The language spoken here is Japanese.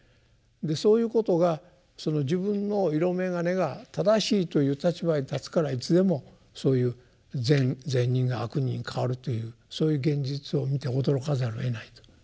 そういうことがその自分の色眼鏡が正しいという立場に立つからいつでもそういう「善人」が「悪人」に変わるというそういう現実を見て驚かざるをえないということになるわけですし。